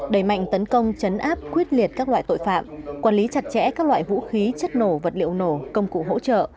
đẩy mạnh tấn công chấn áp quyết liệt các loại tội phạm quản lý chặt chẽ các loại vũ khí chất nổ vật liệu nổ công cụ hỗ trợ